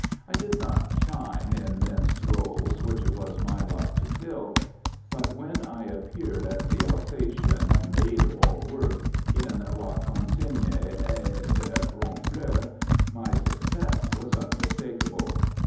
I did not shine in men's rôles which it was my lot to fill, but when I appeared as the Alsatian maid of all work in "La consigne est de ronfler" my success was unmistakable.